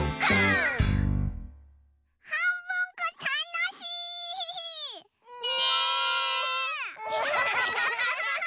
はんぶんこたのしい！ねえ！